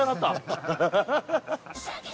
ハハハハ！